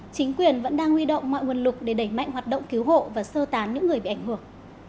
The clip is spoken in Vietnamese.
chính quyền vẫn đang huy động mọi nguồn lực để đẩy mạnh hoạt động cứu hộ và sơ tán những người bị ảnh hưởng